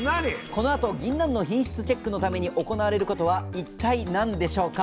このあとぎんなんの品質チェックのために行われることは一体何でしょうか？